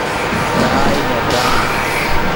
ڤرائے لے ڤران